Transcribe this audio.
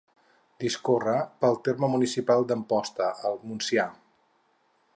Discorre pel terme municipal d'Amposta, al Montsià.